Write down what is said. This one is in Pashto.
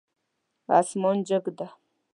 اسمان جګ ده